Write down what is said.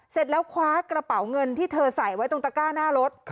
เสร็จแล้วคว้ากระเป๋าเงินที่เธอใส่ไว้ตรงตะก้าหน้ารถ